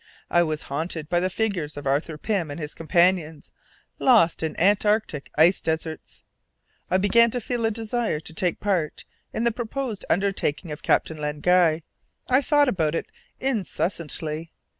I was haunted by the figures of Arthur Pym and his companions, lost in Antarctic ice deserts. I began to feel a desire to take part in the proposed undertaking of Captain Len Guy. I thought about it incessantly.